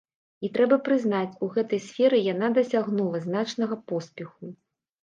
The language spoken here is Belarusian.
І трэба прызнаць, у гэтай сферы яна дасягнула значнага поспеху.